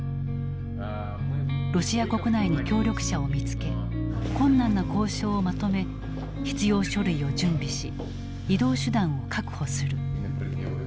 ロシア国内に協力者を見つけ困難な交渉をまとめ必要書類を準備し移動手段を確保する。